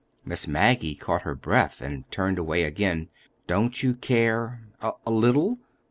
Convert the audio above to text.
Miss Maggie caught her breath and turned away again. "Don't you care—a little?"